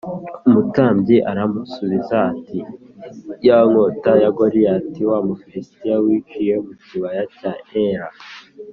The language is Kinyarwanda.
Umutambyi aramusubiza ati “Ya nkota ya Goliyati wa Mufilisitiya wiciye mu kibaya cya Ela